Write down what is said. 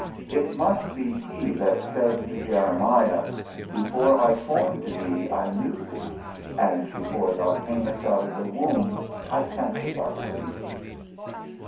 It must be he that said to Jeremiah, Before I formed thee I knew thee, and before thou camest out of the womb I sanctified thee.